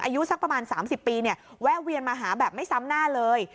อายุสักประมาณ๓๐ปีเนี่ยแวะเวียนมาหาแบบไม่ซ้ำหน้าเลย